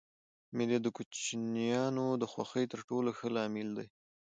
مېلې د کوچنيانو د خوښۍ تر ټولو ښه لامل دئ.